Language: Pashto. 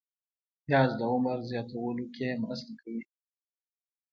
پیاز د عمر زیاتولو کې مرسته کوي